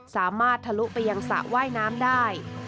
สามารถทะลุไปยังสระว่ายน้ำได้